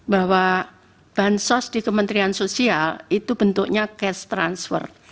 bahwa bansos di kementerian sosial itu bentuknya cash transfer